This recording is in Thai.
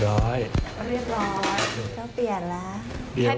เรียบร้อยก็เปลี่ยนแล้ว